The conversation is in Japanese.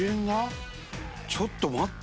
ちょっと待って。